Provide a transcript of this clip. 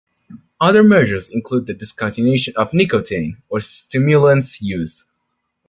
Other measures include the discontinuation of nicotine or stimulants use.